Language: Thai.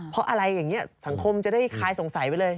เพราะอะไรอย่างนี้สังคมจะได้คลายสงสัยไปเลย